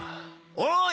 おい！